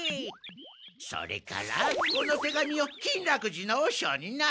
それからこの手紙を金楽寺の和尚にな。